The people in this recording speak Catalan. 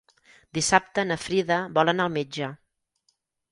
Dissabte na Frida vol anar al metge.